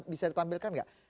bisa ditampilkan gak